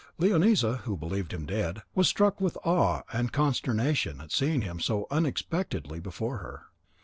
Leonisa, who believed him to be dead, was struck with awe and consternation at seeing him so unexpectedly before her.